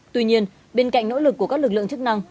tuy nhiên bên cạnh nỗ lực của các lực lượng chức năng